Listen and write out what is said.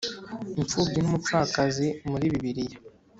imfubyi n umupfakazi muri bibiliya